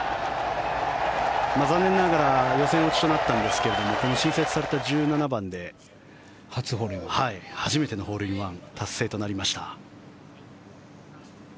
残念ながら予選落ちとなったんですが新設された１７番で初めてのホールインワン達成となりました。